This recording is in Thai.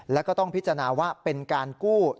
แล้วก็ต้องพิจารณาว่าเป็นการกู้